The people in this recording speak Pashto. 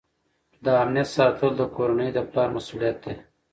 د امنیت ساتل د کورنۍ د پلار مسؤلیت دی.